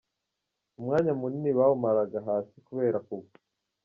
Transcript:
Umwanya munini bawumaraga hasi kubera kugwa.